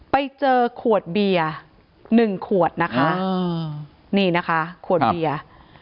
ไปเจอขวดเบียร์๑ขวดนะคะนี่นะคะขวดเบียร์